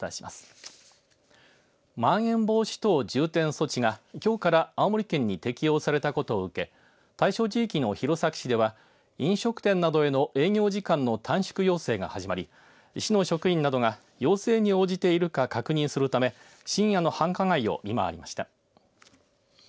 まん延防止等重点措置がきょうから青森県に適用されたことを受け対象地域の弘前市では飲食店などへの営業時間の短縮要請が始まり市の職員などが要請に応じているか確認するため深夜の繁華街を見回りました。